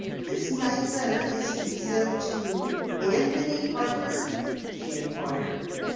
"This night letter is to be sent to Anthony Parker?" she inquired.